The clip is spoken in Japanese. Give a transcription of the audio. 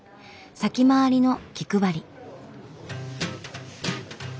先回りの気配り。